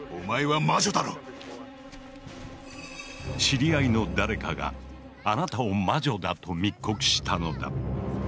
知り合いの誰かがあなたを魔女だと密告したのだ。